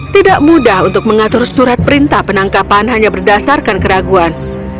tidak mudah untuk mengatur surat perintah penangkapan hanya berdasarkan keraguan